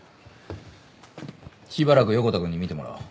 しばらく横田くんに診てもらおう。